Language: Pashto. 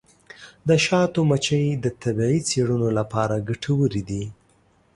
د شاتو مچۍ د طبي څیړنو لپاره ګټورې دي.